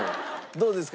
どうですか？